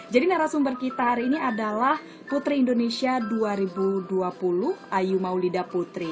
jadi narasumber kita hari ini adalah putri indonesia dua ribu dua puluh ayu maulidah putri